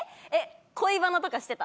恋バナとかしてた？